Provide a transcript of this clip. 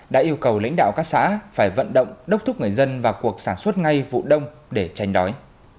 đã yêu cầu lãnh đạo các xã phải vận động đốc thúc người dân vào cuộc sản xuất ngay vụ đông để tranh đói